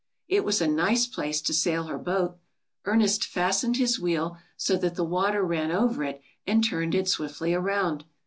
It was a nice place to sail her boat. Ernest fastened his wheel, so that the water ran over it and turned it swiftly around.